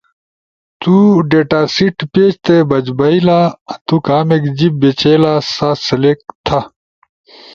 تو ڈیٹاسیٹ پیج تے بج بھئی لا، تو کامیک جیِب بیچیلا سا سلیکٹ تھی،